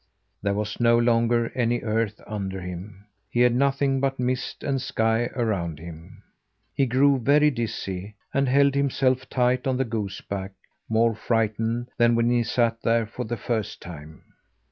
There was no longer any earth under him. He had nothing but mist and sky around him. He grew very dizzy, and held himself tight on the goose back, more frightened than when he sat there for the first time.